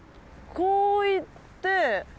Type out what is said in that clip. こう行って。